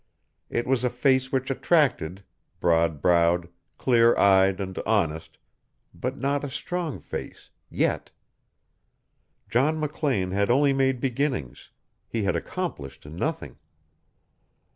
It was a face which attracted, broad browed, clear eyed, and honest, but not a strong face yet. John McLean had only made beginnings; he had accomplished nothing.